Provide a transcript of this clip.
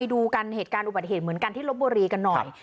ดูกันเหตุการณ์อุบัติเหตุเหมือนกันที่ลบบุรีกันหน่อย